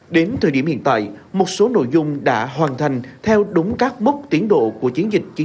đến thời điểm hiện tại một số nội dung đã hoàn thành theo đúng các mốc tiến độ của chiến dịch chín mươi